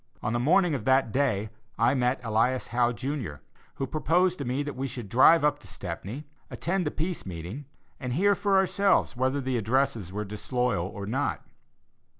On the morning of that day, I met Elias Howe, Jr., who proposed to me that we should drive up to Stepney, attend the Peace meeting, and hear for ourselves whether the addresses were disloyal or not.